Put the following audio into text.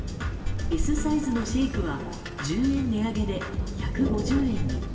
Ｓサイズのシェイクは１０円値上げで１５０円に。